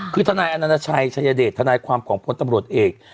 คือทนายอนาชัยชัยเดชทนายความของพลตำรวจเอก